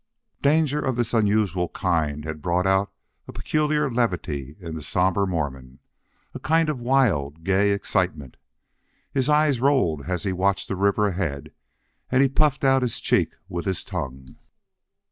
Danger of this unusual kind had brought out a peculiar levity in the somber Mormon a kind of wild, gay excitement. His eyes rolled as he watched the river ahead and he puffed out his cheek with his tongue.